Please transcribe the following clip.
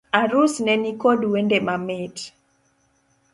Arus ne nikod wende mamit